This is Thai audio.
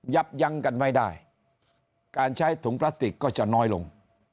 ยับยั้งกันไม่ได้การใช้ถุงพลาสติกก็จะน้อยลง